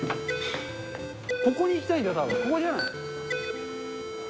ここに行きたいんだよ、たぶんここじゃない？